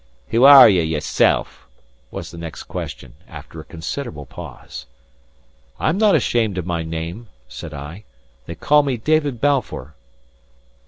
"Who are ye, yourself?" was the next question, after a considerable pause. "I am not ashamed of my name," said I. "They call me David Balfour."